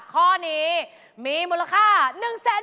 ข้อนี้มีมูลค่า๑๐๐๐๐๐บาท